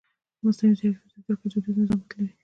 مصنوعي ځیرکتیا د زده کړې دودیز نظام بدلوي.